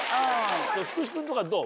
福士君とかどう？